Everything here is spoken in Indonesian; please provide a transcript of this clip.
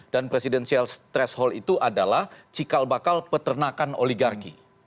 dan presidensial threshold itu adalah cikal bakal peternakan oligarki